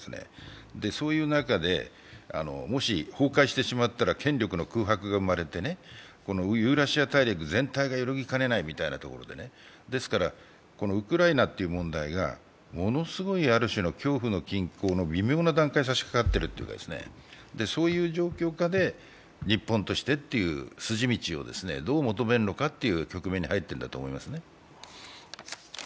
そういう中で、もし崩壊してしまったら権力の空白が生まれてしまってユーラシア大陸全体が揺るぎかねないみたいなところで、ですから、ウクライナという問題がものすごいある種の恐怖の均衡の微妙な段階にさしかかっているんですね、そういう状況の中で日本としてという筋道をどう求めるのかという局面に入っていると思います。